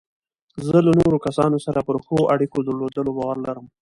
زه له نورو کسانو سره پر ښو اړیکو درلودلو باور لرم.